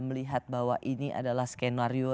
melihat bahwa ini adalah skenario